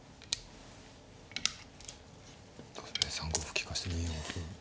角で３五歩利かして２四歩。